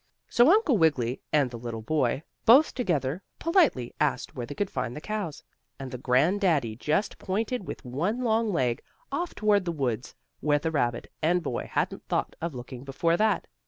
So Uncle Wiggily and the little boy, both together, politely asked where they could find the cows, and the grand daddy just pointed with one long leg off toward the woods where the rabbit and boy hadn't thought of looking before that.